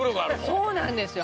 そうなんですよ。